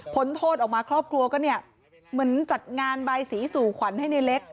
โทษออกมาครอบครัวก็เนี่ยเหมือนจัดงานบายสีสู่ขวัญให้ในเล็ก